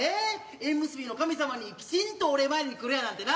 縁結びの神様にきちんとお礼参りに来るやなんてな。